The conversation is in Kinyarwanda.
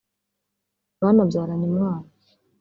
banabyaranye umwana